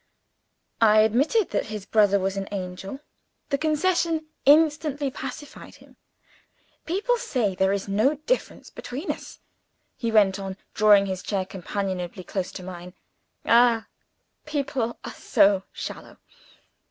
(I admitted that his brother was an angel. The concession instantly pacified him.) "People say there is no difference between us," he went on, drawing his chair companionably close to mine. "Ah, people are so shallow!